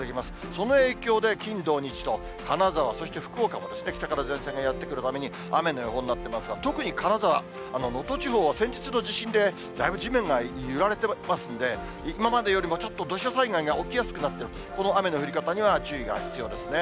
その影響で、金、土、日と金沢、そして福岡も北から前線がやって来るために雨の予報になってますが、特に金沢、能登地方は先日の地震でだいぶ地面が揺られてますので、今までよりもちょっと土砂災害が起きやすくなって、この雨の降り方には注意が必要ですね。